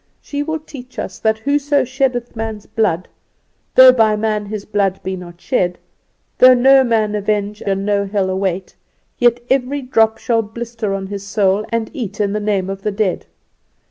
"She will teach us that whoso sheddeth man's blood, though by man his blood be not shed, though no man avenge and no hell await, yet every drop shall blister on his soul and eat in the name of the dead.